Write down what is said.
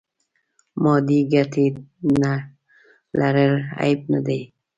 مادې ګټې نه لرل عیب نه دی.